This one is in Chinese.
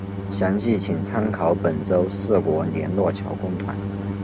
详细请参考本州四国联络桥公团。